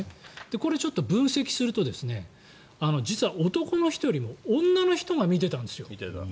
これ、ちょっと分析すると実は男の人よりも女の人が見てたんですよ。